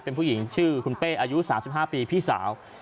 เป็นผู้หญิงชื่อคุณเป้อายุ๓๕ปีพี่สาว